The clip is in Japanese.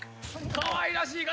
かわいらしい柄。